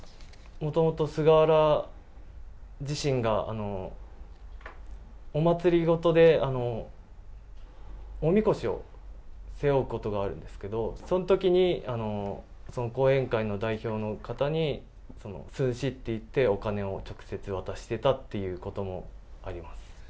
もともと菅原自身が、お祭りごとで、おみこしを背負うことがあるんですけど、そのときに、その後援会の代表の方に、数字って言って、お金を直接渡していたということもあります。